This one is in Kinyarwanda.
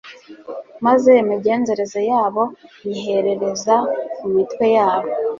maze imigenzereze yabo nyiherereza ku mitwe yabo